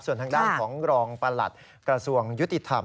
ส่วนทางด้านของรองประหลัดกระทรวงยุติธรรม